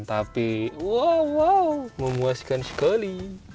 tapi wow memuaskan sekali